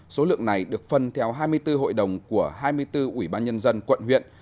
số lượng này được phân theo hai mươi bốn hội đồng của hai mươi bốn ủy ban nhân dân quận huyện